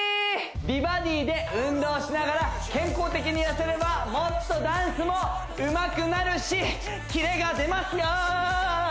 美バディで運動しながら健康的に痩せればもっとダンスもうまくなるしキレが出ますよー！